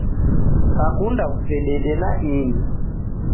Kakunda kusedede naini